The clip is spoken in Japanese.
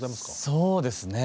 そうですね。